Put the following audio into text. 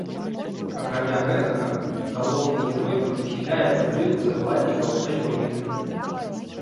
Акрамя гэтага, галоўны герой прадухіляе падрыў закладнікаў наёмнікамі.